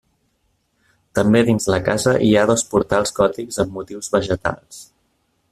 També dins la casa hi ha dos portals gòtics amb motius vegetals.